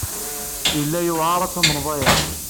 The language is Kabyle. Yella yewɛeṛ ad tamneḍ aya.